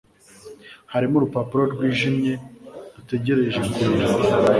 hariho urupapuro rwijimye rutegereje ku biro